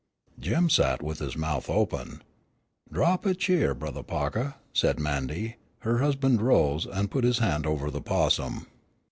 Jim sat with his mouth open. "Draw up a cheer, Brothah Pahkah," said Mandy. Her husband rose, and put his hand over the possum.